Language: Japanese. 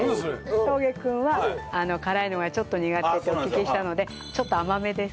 小峠君は辛いのがちょっと苦手ってお聞きしたのでちょっと甘めです。